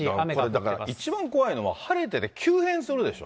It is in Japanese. これ、だから一番怖いのは、晴れてて急変するでしょ。